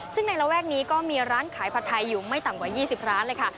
ซึ่งในระแวกนี้ก็มีร้านขายผัดไทยอยู่ไม่ต่ำกว่า๒๐ร้านเลยค่ะ